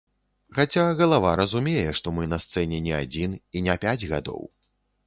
Хаця галава разумее, што мы на сцэне не адзін і не пяць гадоў.